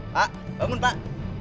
pak bangun pak